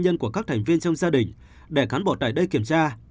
anh bủ là nhân dân của các thành viên trong gia đình để cán bộ tại đây kiểm tra